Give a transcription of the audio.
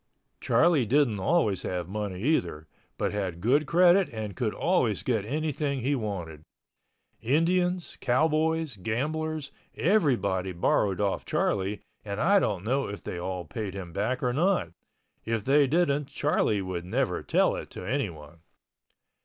Charlie didn't always have money either, but had good credit and could always get anything he wanted. Indians, cowboys, gamblers, everybody borrowed off Charlie and I don't know if they all paid him back or not—if they didn't Charlie would never tell it to anyone.